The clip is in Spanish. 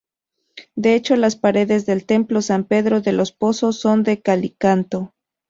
De hecho, las paredes del templo San Pedro de Los Pozos son de calicanto.